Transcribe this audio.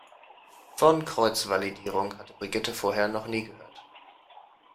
Von Kreuzvalidierung hatte Brigitte vorher noch nie gehört.